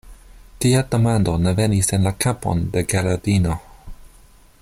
Tia demando ne venis en la kapon de Geraldino: